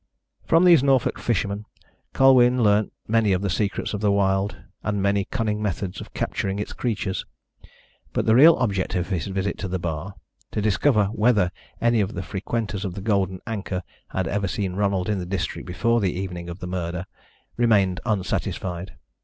From these Norfolk fishermen Colwyn learnt many of the secrets of the wild and many cunning methods of capturing its creatures, but the real object of his visit to the bar to discover whether any of the frequenters of the Golden Anchor had ever seen Ronald in the district before the evening of the murder remained unsatisfied.